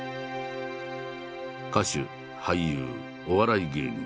歌手俳優お笑い芸人。